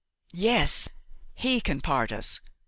"Yes, he can part us!"